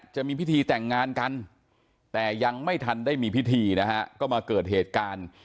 จะมีพิธีแต่งงานกันแต่ยังไม่ทันได้มีพิธีนะฮะก็มาเกิดเหตุการณ์